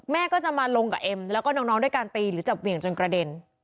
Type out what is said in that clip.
แม่ก็จะมาลงกับเอ็มแล้วก็น้องด้วยการตีหรือจับเหวี่ยงจนกระเด็น